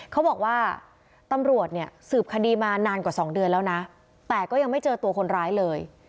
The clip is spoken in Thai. เขาบอกว่าตำรวจเนี่ยสืบคดีมานานกว่า๒เดือนแล้วนะแต่ก็ยังไม่เจอตัวคนร้ายเลย